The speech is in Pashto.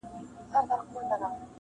• نه ماتېږي مي هیڅ تنده بېله جامه,